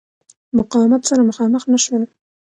مقاومت سره مخامخ نه شول.